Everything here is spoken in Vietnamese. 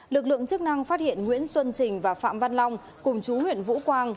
lực lượng chức năng phát hiện nguyễn xuân trình và phạm văn long cùng chú huyện vũ quang